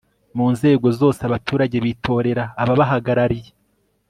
mu nzego zose abaturage bitorera ababahagarariye